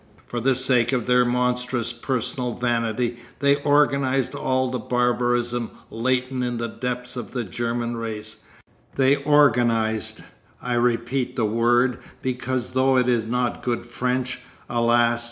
For the sake of their monstrous personal vanity they organised all the barbarism latent in the depths of the German race; they organised (I repeat the word because though it is not good French alas!